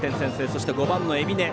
そして５番の海老根。